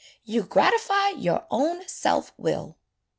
You gratify your own self will."